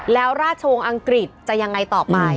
แล้วราชวงศ์อังกฤษจะยังไงต่อไป